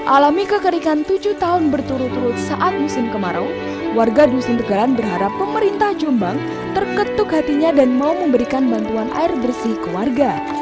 alami kekerikan tujuh tahun berturut turut saat musim kemarau warga dusun tegaran berharap pemerintah jombang terketuk hatinya dan mau memberikan bantuan air bersih ke warga